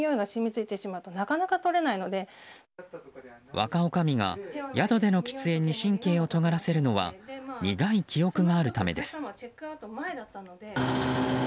若おかみが宿での喫煙に神経をとがらせるのは苦い記憶があるためです。